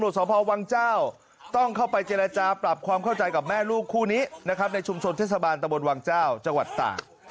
สพวังเจ้าต้องเข้าไปเจรจาปรับความเข้าใจกับแม่ลูกคู่นี้นะครับในชุมชนเทศบาลตะบนวังเจ้าจังหวัดตาก